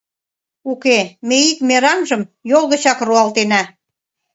Уке, ме ик мераҥжым йол гычак руалтена.